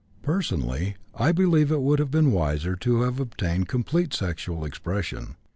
Personally, I believe it would have been wiser to have obtained complete sexual expression.